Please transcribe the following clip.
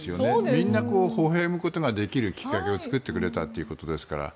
みんなほほ笑むきっかけを作ってくれたということですから。